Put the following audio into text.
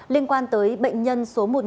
liên quan tới bệnh nhân số một nghìn ba mươi bảy